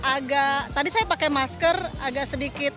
agak tadi saya pakai masker agak sedikit